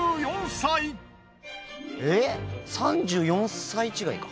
えぇ３４歳違いか。